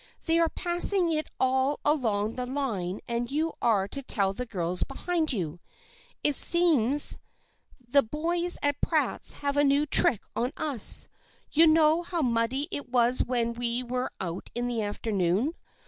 " They are passing it all along the line and you are to tell the girls behind you. It seems the boys at Pratt's have a new trick on us. You know yesterday how muddy it was when we were out in the afternoon